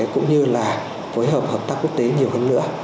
cũng như là phối hợp hợp tác quốc tế nhiều hơn nữa